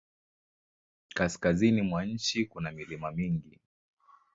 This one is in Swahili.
Kaskazini mwa nchi kuna milima mingi.